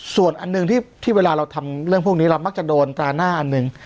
ส่วนอันหนึ่งที่เวลาเราทำเรื่องพวกนี้เรามักจะโดนตราหน้าอันหนึ่ง